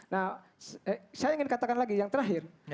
nah saya ingin katakan lagi yang terakhir